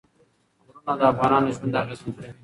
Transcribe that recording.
غرونه د افغانانو ژوند اغېزمن کوي.